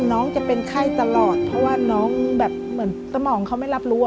น้องจะเป็นไข้ตลอดเพราะว่าน้องแบบเหมือนสมองเขาไม่รับรู้